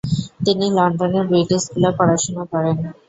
তিনি লন্ডনের ব্রিট স্কুল-এ পড়াশুনা করেন।